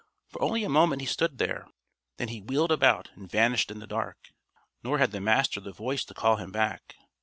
For only a moment he stood there. Then he wheeled about and vanished in the dark. Nor had the Master the voice to call him back.